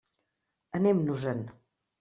Anem-nos-en.